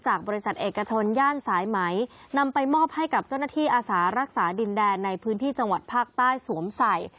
บริษัทเอกชนย่านสายไหมนำไปมอบให้กับเจ้าหน้าที่อาสารักษาดินแดนในพื้นที่จังหวัดภาคใต้สวมใส่